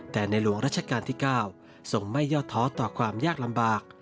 แต่ในหลวงรัชกาลที่๙ทรงไม่ยอดท้อต่อความยากลำบาก